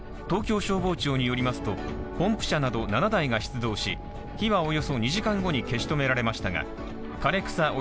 東京消防庁によりますと、ポンプ車など７台が出動し火はおよそ２時間後に消し止められましたが枯れ草